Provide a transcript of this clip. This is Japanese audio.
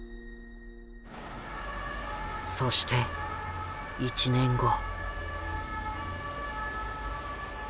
そして１年後。